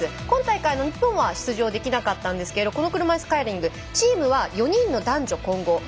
今大会、日本は出場できなかったんですけどこの車いすカーリングチームは４人の男女混合。